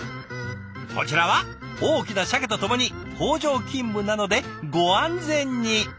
こちらは大きなしゃけとともに工場勤務なので「ご安全に」。